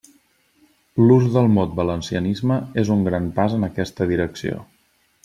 L'ús del mot valencianisme és un gran pas en aquesta direcció.